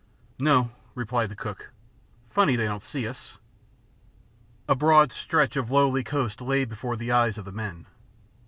"No," replied the cook. "Funny they don't see us!" A broad stretch of lowly coast lay before the eyes of the men.